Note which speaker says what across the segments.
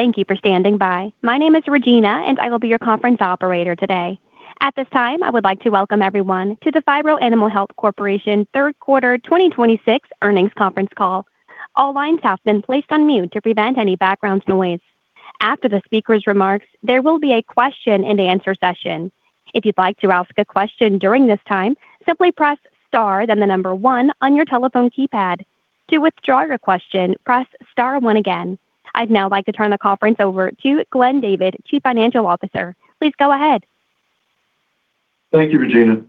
Speaker 1: Thank you for standing by. My name is Regina, and I will be your conference operator today. At this time, I would like to welcome everyone to the Phibro Animal Health Corporation Third Quarter 2026 Earnings Conference Call. All lines have been placed on mute to prevent any background noise. After the speaker's remarks, there will be a question and answer session. If you'd like to ask a question during this time, simply press star one on your telephone keypad. To withdraw your question, press star one again. I'd now like to turn the conference over to Glenn David, Chief Financial Officer. Please go ahead.
Speaker 2: Thank you, Regina.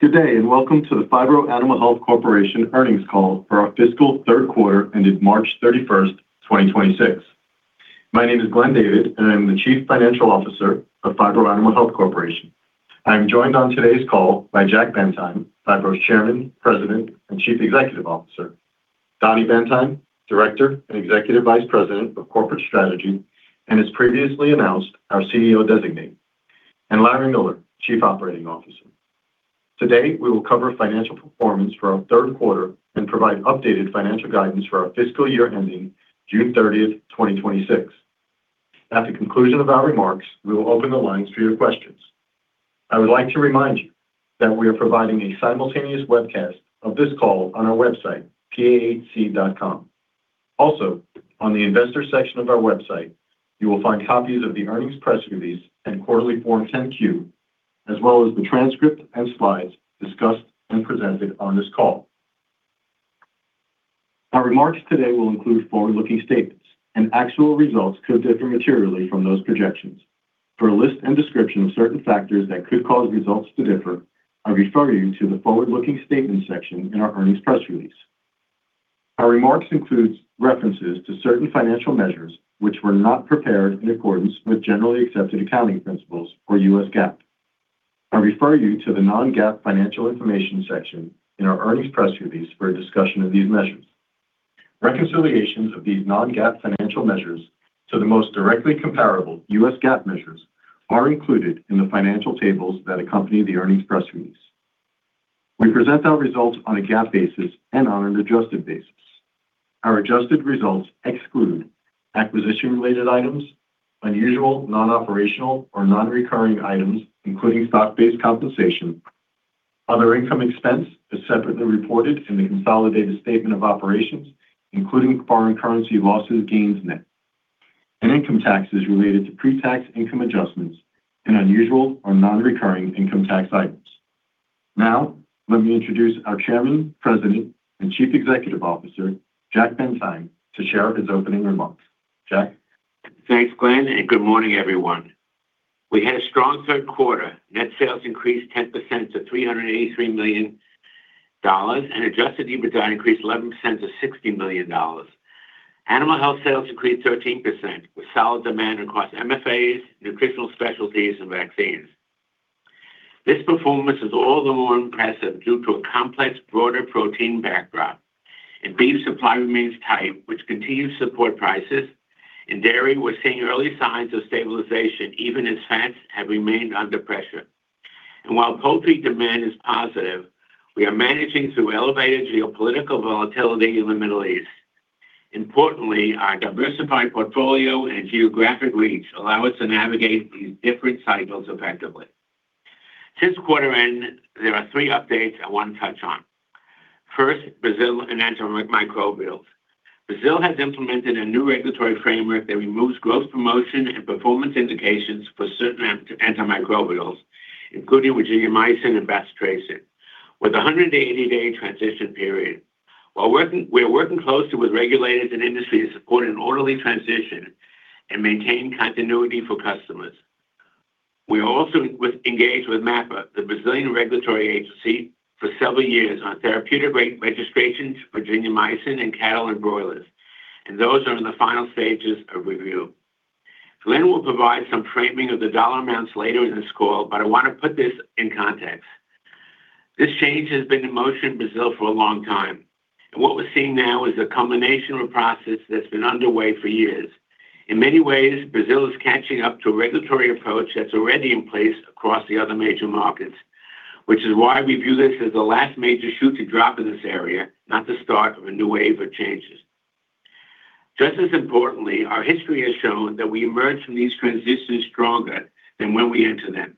Speaker 2: Good day, welcome to the Phibro Animal Health Corporation Earnings Call for our Fiscal Third Quarter ended March 31, 2026. My name is Glenn David, I'm the Chief Financial Officer of Phibro Animal Health Corporation. I'm joined on today's call by Jack Bendheim, Phibro's Chairman, President, and Chief Executive Officer, Daniel Bendheim, Director and Executive Vice President of Corporate Strategy, as previously announced, our CEO designate, and Larry Miller, Chief Operating Officer. Today, we will cover financial performance for our 3rd quarter and provide updated financial guidance for our fiscal year ending June 30, 2026. At the conclusion of our remarks, we will open the lines for your questions. I would like to remind you that we are providing a simultaneous webcast of this call on our website, pahc.com. On the investor section of our website, you will find copies of the earnings press release and quarterly form 10-Q, as well as the transcript and slides discussed and presented on this call. Our remarks today will include forward-looking statements, and actual results could differ materially from those projections. For a list and description of certain factors that could cause results to differ, I refer you to the forward-looking statements section in our earnings press release. Our remarks includes references to certain financial measures which were not prepared in accordance with generally accepted accounting principles for U.S. GAAP. I refer you to the non-GAAP financial information section in our earnings press release for a discussion of these measures. Reconciliations of these non-GAAP financial measures to the most directly comparable U.S. GAAP measures are included in the financial tables that accompany the earnings press release. We present our results on a GAAP basis and on an adjusted basis. Our adjusted results exclude acquisition-related items, unusual, non-operational, or non-recurring items, including stock-based compensation, other income expense is separately reported in the consolidated statement of operations, including foreign currency losses, gains net, and income taxes related to pre-tax income adjustments and unusual or non-recurring income tax items. Now, let me introduce our Chairman, President, and Chief Executive Officer, Jack Bendheim, to share his opening remarks. Jack?
Speaker 3: Thanks, Glenn, and good morning, everyone. We had a strong third quarter. Net sales increased 10% to $383 million, and Adjusted EBITDA increased 11% to $60 million. Animal Health sales increased 13%, with solid demand across MFAs, nutritional specialties, and vaccines. This performance is all the more impressive due to a complex broader protein backdrop. In beef supply remains tight, which continues to support prices. In dairy, we're seeing early signs of stabilization, even as fats have remained under pressure. While poultry demand is positive, we are managing through elevated geopolitical volatility in the Middle East. Importantly, our diversified portfolio and geographic reach allow us to navigate these different cycles effectively. Since quarter end, there are three updates I want to touch on. First, Brazil and antimicrobials. Brazil has implemented a new regulatory framework that removes growth promotion and performance indications for certain antimicrobials, including virginiamycin and bacitracin, with a 180 day transition period. We're working closely with regulators and industry to support an orderly transition and maintain continuity for customers. We also was engaged with MAPA, the Brazilian regulatory agency, for several years on therapeutic re-registrations for virginiamycin in cattle and broilers. Those are in the final stages of review. Glenn will provide some framing of the dollar amounts later in this call. I want to put this in context. This change has been in motion in Brazil for a long time. What we're seeing now is a culmination of a process that's been underway for years. In many ways, Brazil is catching up to a regulatory approach that's already in place across the other major markets, which is why we view this as the last major shoe to drop in this area, not the start of a new wave of changes. Just as importantly, our history has shown that we emerge from these transitions stronger than when we enter them.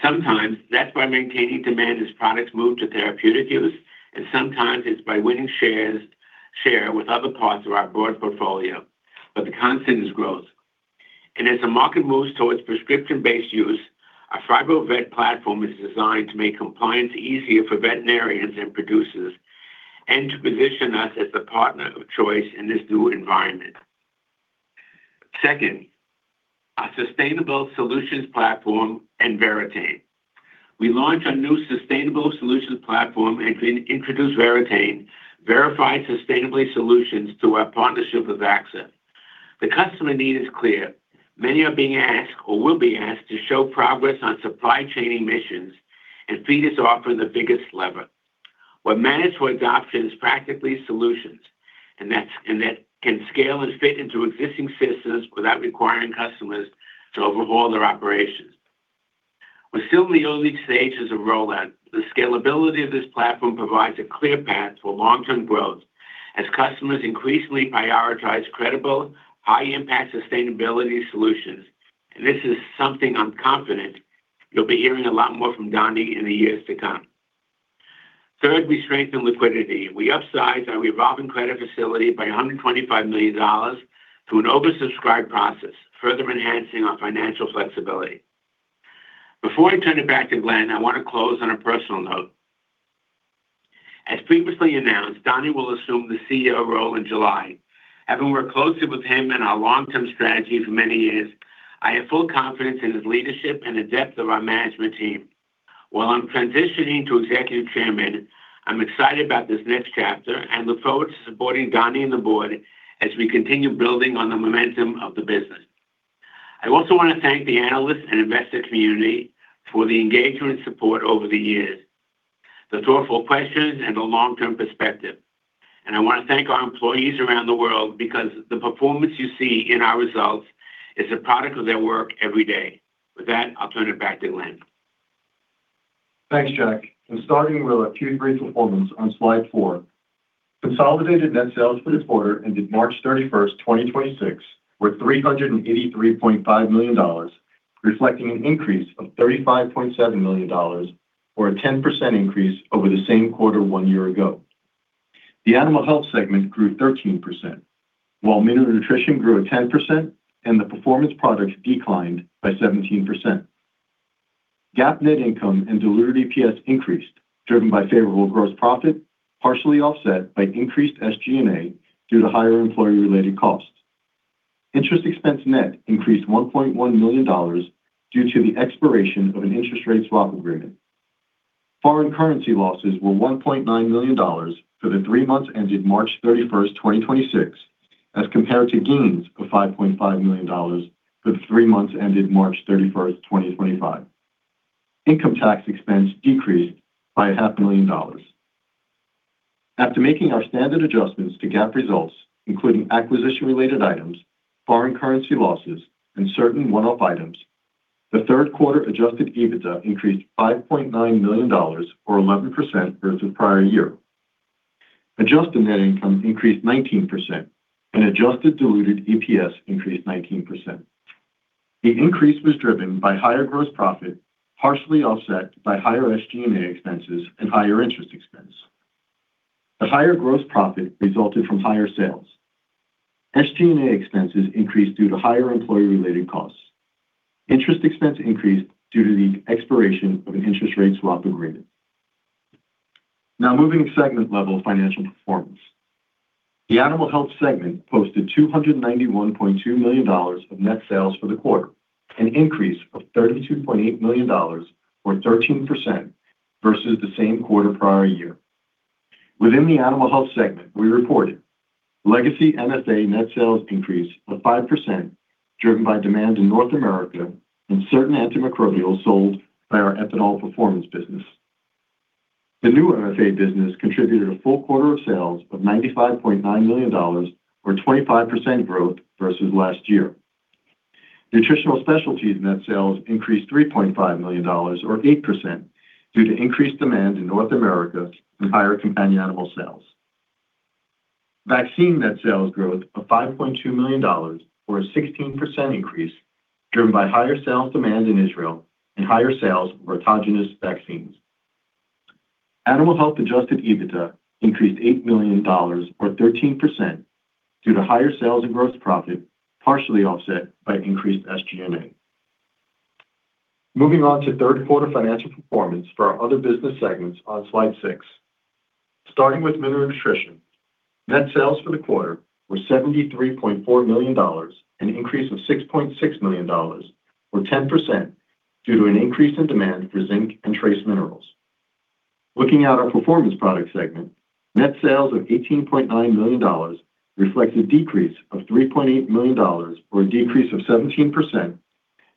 Speaker 3: Sometimes that's by maintaining demand as products move to therapeutic use, and sometimes it's by winning share with other parts of our broad portfolio, but the constant is growth. As the market moves towards prescription-based use, our PhibroVet platform is designed to make compliance easier for veterinarians and producers and to position us as the partner of choice in this new environment. Second, our sustainable solutions platform and VERRATAIN. We launched a new sustainable solutions platform can introduce VERRATAIN, verified sustainabl solutions through our partnership with VAXA Technologies. The customer need is clear. Many are being asked or will be asked to show progress on supply chain emissions and feed is often the biggest lever. What matters for adoption is practical solutions, and that can scale and fit into existing systems without requiring customers to overhaul their operations. We're still in the early stages of rollout. The scalability of this platform provides a clear path for long-term growth as customers increasingly prioritize credible, high-impact sustainability solutions. This is something I'm confident you'll be hearing a lot more from Danny in the years to come. Third, we strengthened liquidity. We upsized our revolving credit facility by $125 million through an oversubscribed process, further enhancing our financial flexibility. Before I turn it back to Glenn, I want to close on a personal note. As previously announced, Danny will assume the CEO role in July. Having worked closely with him and our long-term strategy for many years, I have full confidence in his leadership and the depth of our management team. While I'm transitioning to Executive Chairman, I'm excited about this next chapter and look forward to supporting Danny and the board as we continue building on the momentum of the business. I also want to thank the analysts and investor community for the engagement and support over the years, the thoughtful questions, and the long-term perspective. I want to thank our employees around the world because the performance you see in our results is a product of their work every day. With that, I'll turn it back to Glenn.
Speaker 2: Thanks, Jack. Starting with a Q3 performance on slide four. Consolidated net sales for this quarter ended March 31, 2026, were $383.5 million, reflecting an increase of $35.7 million or a 10% increase over the same quarter one year ago. The Animal Health segment grew 13%, while Mineral Nutrition grew at 10% and the Performance Products declined by 17%. GAAP net income and diluted EPS increased, driven by favorable gross profit, partially offset by increased SG&A due to higher employee-related costs. Interest expense net increased $1.1 million due to the expiration of an interest rate swap agreement. Foreign currency losses were $1.9 million for the three months ended March 31st, 2026, as compared to gains of $5.5 million for the three months ended March 31st, 2025. Income tax expense decreased by a half million dollars. After making our standard adjustments to GAAP results, including acquisition-related items, foreign currency losses, and certain one-off items, the third quarter Adjusted EBITDA increased $5.9 million or 11% versus prior year. Adjusted net income increased 19% and adjusted diluted EPS increased 19%. The increase was driven by higher gross profit, partially offset by higher SG&A expenses and higher interest expense. The higher gross profit resulted from higher sales. SG&A expenses increased due to higher employee-related costs. Interest expense increased due to the expiration of an interest rate swap agreement. Now moving to segment-level financial performance. The Animal Health segment posted $291.2 million of net sales for the quarter, an increase of $32.8 million or 13% versus the same quarter prior year. Within the Animal Health segment, we reported legacy MFA net sales increase of 5%, driven by demand in North America and certain antimicrobials sold by our Ethanol Performance business. The new MFA business contributed a full quarter of sales of $95.9 million or 25% growth versus last year. Nutritional specialties net sales increased $3.5 million or 8% due to increased demand in North America and higher companion animal sales. Vaccine net sales growth of $5.2 million or a 16% increase driven by higher sales demand in Israel and higher sales of autogenous vaccines. Animal Health Adjusted EBITDA increased $8 million or 13% due to higher sales and gross profit, partially offset by increased SG&A. Moving on to third quarter financial performance for our other business segments on slide six. Starting with Mineral Nutrition, net sales for the quarter were $73.4 million, an increase of $6.6 million or 10% due to an increase in demand for zinc and trace minerals. Looking at our Performance Products segment, net sales of $18.9 million reflects a decrease of $3.8 million or a decrease of 17%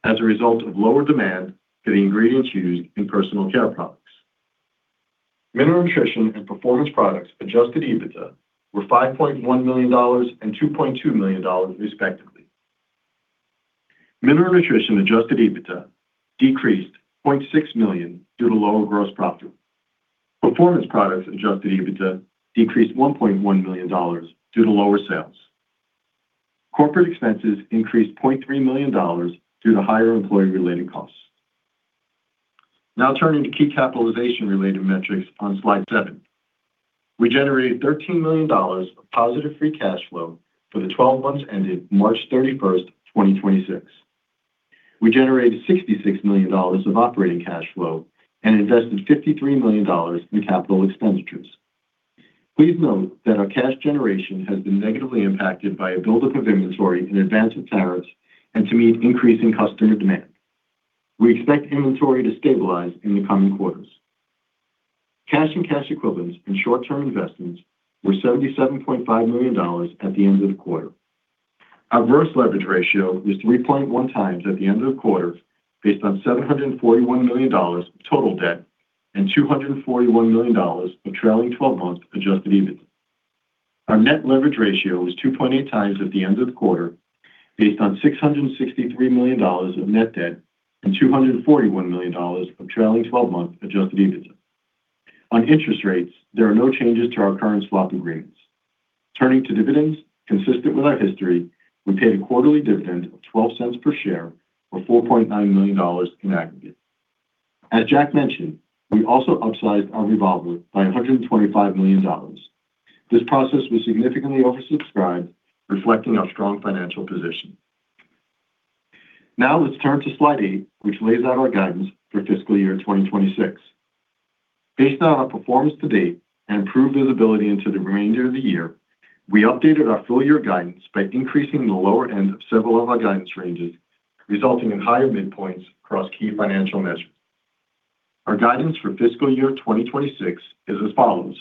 Speaker 2: as a result of lower demand for the ingredients used in personal care products. Mineral Nutrition and Performance Products Adjusted EBITDA were $5.1 million and $2.2 million, respectively. Mineral Nutrition Adjusted EBITDA decreased $0.6 million due to lower gross profit. Performance Products Adjusted EBITDA decreased $1.1 million due to lower sales. Corporate expenses increased $0.3 million due to higher employee-related costs. Turning to key capitalization-related metrics on slide seven. We generated $13 million of positive free cash flow for the 12 months ended March 31, 2026. We generated $66 million of operating cash flow and invested $53 million in capital expenditures. Please note that our cash generation has been negatively impacted by a buildup of inventory in advance of tariffs and to meet increasing customer demand. We expect inventory to stabilize in the coming quarters. Cash and cash equivalents and short-term investments were $77.5 million at the end of the quarter. Our gross leverage ratio was 3.1x at the end of the quarter based on $741 million of total debt and $241 million of trailing-twelve-month Adjusted EBITDA. Our net leverage ratio was 2.8x at the end of the quarter based on $663 million of net debt and $241 million of trailing twelve-month Adjusted EBITDA. On interest rates, there are no changes to our current swap agreements. Turning to dividends, consistent with our history, we paid a quarterly dividend of $0.12 per share or $4.9 million in aggregate. As Jack mentioned, we also upsized our revolver by $125 million. This process was significantly oversubscribed, reflecting our strong financial position. Let's turn to slide eight, which lays out our guidance for fiscal year 2026. Based on our performance to date and improved visibility into the remainder of the year, we updated our full year guidance by increasing the lower end of several of our guidance ranges, resulting in higher midpoints across key financial measures. Our guidance for fiscal year 2026 is as follows: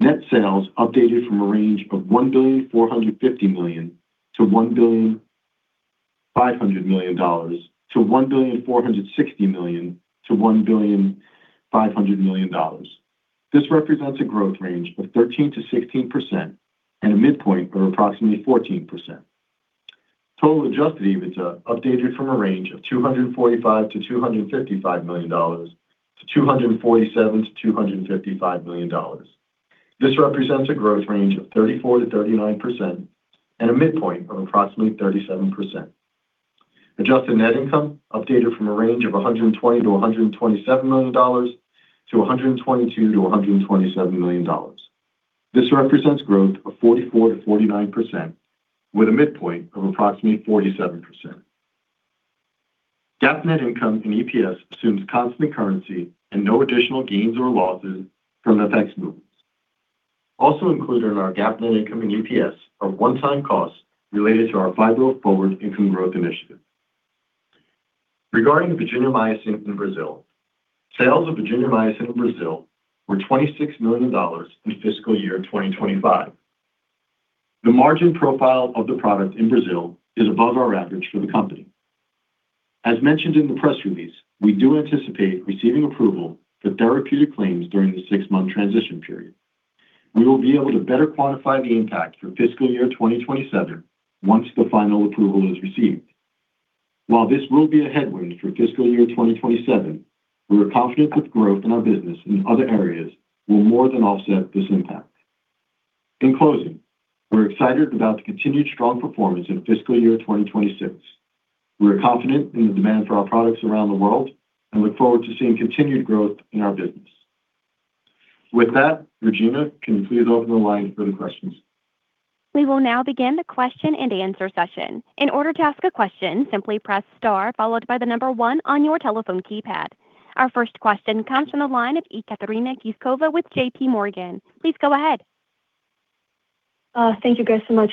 Speaker 2: Net sales updated from a range of $1.45 billion-$1.5 billion to $1.46 billion-$1.5 billion. This represents a growth range of 13%-16% and a midpoint of approximately 14%. Total Adjusted EBITDA updated from a range of $245 million-$255 million to $247 million-$255 million. This represents a growth range of 34%-39% and a midpoint of approximately 37%. Adjusted net income updated from a range of $120 million-$127 million to $122 million-$127 million. This represents growth of 44%-49% with a midpoint of approximately 47%. GAAP net income and EPS assumes constant currency and no additional gains or losses from FX movements. Also included in our GAAP net income and EPS are one-time costs related to our Phibro Forward income growth initiative. Regarding virginiamycin in Brazil, sales of virginiamycin in Brazil were $26 million in fiscal year 2025. The margin profile of the product in Brazil is above our average for the company. As mentioned in the press release, we do anticipate receiving approval for therapeutic claims during the six-month transition period. We will be able to better quantify the impact for fiscal year 2027 once the final approval is received. While this will be a headwind for fiscal year 2027, we are confident that growth in our business in other areas will more than offset this impact. In closing, we're excited about the continued strong performance in fiscal year 2026. We are confident in the demand for our products around the world and look forward to seeing continued growth in our business. With that, Regina can you please open the line for the questions.
Speaker 1: We will now begin the question-and-answer session. In order to ask a question, simply press star followed by the number one on your telephone keypad. Our first question comes from the line of Ekaterina Knyazkova with JPMorgan. Please go ahead.
Speaker 4: Thank you guys so much.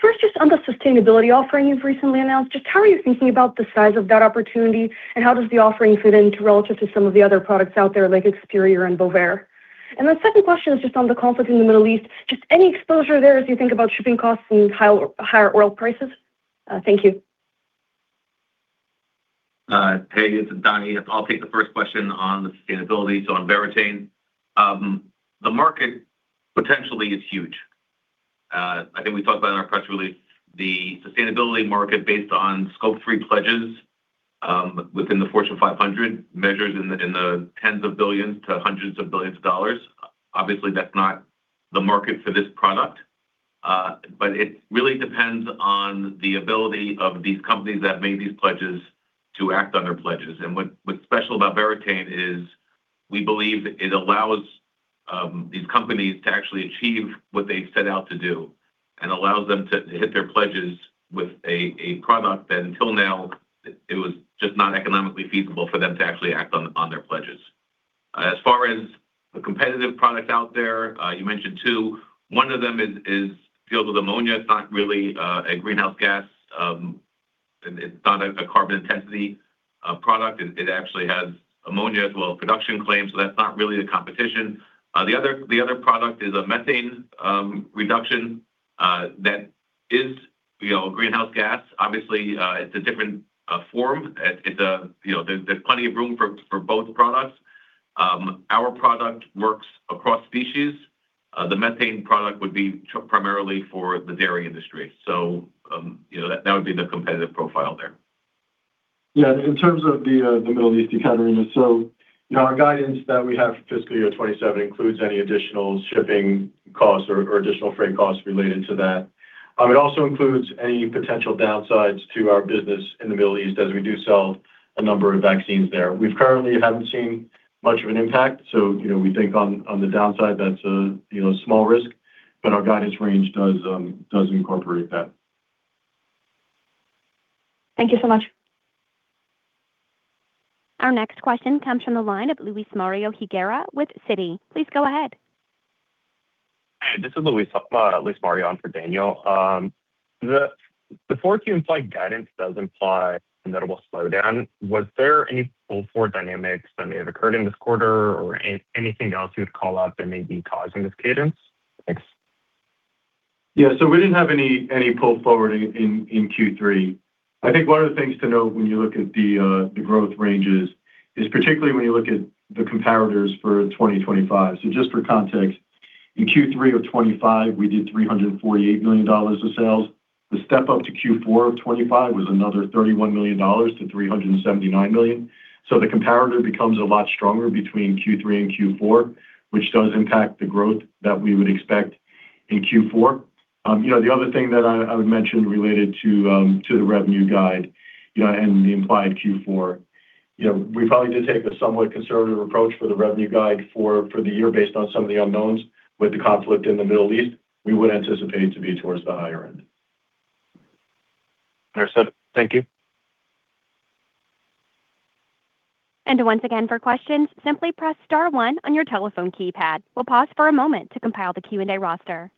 Speaker 4: First, just on the sustainability offering you've recently announced, just how are you thinking about the size of that opportunity, and how does the offering fit into relative to some of the other products out there like Experior and Bovaer? The second question is just on the conflict in the Middle East. Just any exposure there as you think about shipping costs and higher oil prices? Thank you.
Speaker 5: Hey, this is Danny. I'll take the first question on the sustainability, so on VERRATAIN. The market potentially is huge. I think we talked about in our press release the sustainability market based on Scope 3 pledges, within the Fortune 500 measures in the tens of billions to hundreds of billions of dollars. Obviously, that's not the market for this product, it really depends on the ability of these companies that made these pledges to act on their pledges. What's special about VERRATAIN is we believe it allows these companies to actually achieve what they set out to do and allows them to hit their pledges with a product that until now it was just not economically feasible for them to actually act on their pledges. As far as the competitive products out there, you mentioned two. One of them deals with ammonia. It's not really a greenhouse gas. It's not a carbon intensity product. It actually has ammonia as well production claims, so that's not really the competition. The other product is a methane reduction that is, you know, greenhouse gas. Obviously, it's a different form. It, you know, there's plenty of room for both products. Our product works across species. The methane product would be primarily for the dairy industry. You know, that would be the competitive profile there.
Speaker 2: In terms of the Middle East, Ekaterina, our guidance that we have for fiscal year 2027 includes any additional shipping costs or additional freight costs related to that. It also includes any potential downsides to our business in the Middle East, as we do sell a number of vaccines there. We currently haven't seen much of an impact, you know, we think on the downside that's a, you know, small risk, but our guidance range does incorporate that.
Speaker 4: Thank you so much.
Speaker 1: Our next question comes from the line of Luismario Higuera with Citi. Please go ahead.
Speaker 6: Hey, this is Luismario on for Daniel. The fourth implied guidance does imply a notable slowdown. Was there any pull-forward dynamics that may have occurred in this quarter or anything else you'd call out that may be causing this cadence? Thanks.
Speaker 2: Yeah. We didn't have any pull forward in Q3. I think one of the things to note when you look at the growth ranges is particularly when you look at the comparators for 2025. Just for context, in Q3 of 2025, we did $348 million of sales. The step up to Q4 of 2025 was another $31 million to $379 million. The comparator becomes a lot stronger between Q3 and Q4, which does impact the growth that we would expect in Q4. You know, the other thing that I would mention related to the revenue guide, you know, and the implied Q4, you know, we probably did take a somewhat conservative approach for the revenue guide for the year based on some of the unknowns with the conflict in the Middle East. We would anticipate to be towards the higher end.
Speaker 6: Understood. Thank you.
Speaker 1: Once again, for questions, simply press star one on your telephone keypad. We'll pause for a moment to compile the Q&A roster.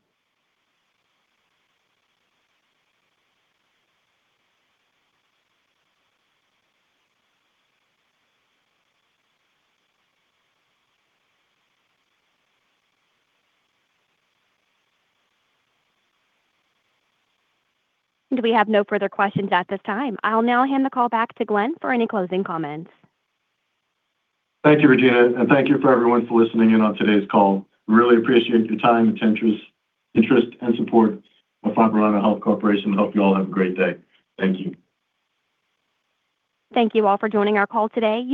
Speaker 1: We have no further questions at this time. I'll now hand the call back to Glenn for any closing comments.
Speaker 2: Thank you, Regina, and thank you for everyone for listening in on today's call. Really appreciate your time, interest and support for Phibro Animal Health Corporation. Hope you all have a great day. Thank you.
Speaker 1: Thank you all for joining our call today.